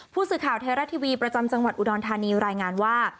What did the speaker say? ผู้สื่อข่าวไทยรัฐทีวีประจำจังหวัดอุดรธานีรายงานว่า